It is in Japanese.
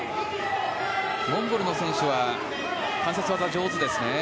モンゴルの選手は関節技が上手ですね。